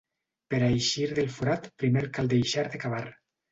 Per a eixir del forat, primer cal deixar de cavar.